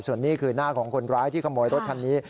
ส่วนนี้คือหน้าของคนร้ายที่ขโมยรถคันนี้